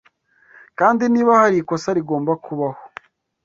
Kandi niba hari ikosa rigomba kubaho,